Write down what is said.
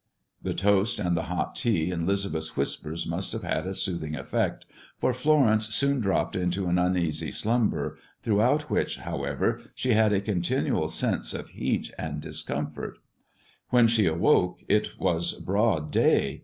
The toast and the hot tea and Lisbeth's whispers must have had a soothing effect, for Florence soon dropped into an uneasy slumber, throughout which, however, she had a continual sense of heat and discomfort. When she awoke, it was broad day.